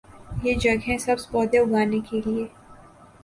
یہ جگہیں سبز پودے اگانے کے لئے